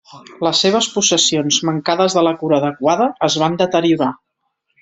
Les seves possessions, mancades de la cura adequada, es van deteriorar.